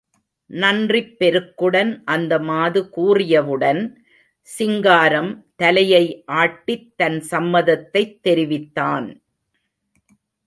நன்றிப் பெருக்குடன் அந்த மாது கூறியவுடன், சிங்காரம் தலையை ஆட்டித் தன் சம்மதத்தைத் தெரிவித்தான்.